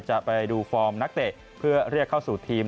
จะไปดูฟอร์มนักเตะเพื่อเรียกเข้าสู่ทีม